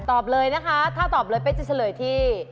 ตอบเลยนะคะถ้าตอบเลยเป๊กจะเฉลยที่